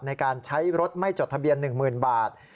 ในการใช้รถไม่จดทะเบียน๑๐๐๐บาท